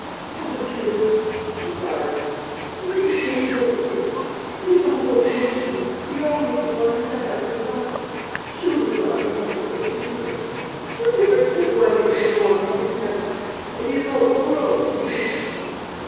"Tell me the truth," she cried. "Will he be taken away from me? He is all the world to me the only thing on earth I have to love. Surely God will not be so pitiless! What difference can one angel more make in heaven? and he is all the world to me."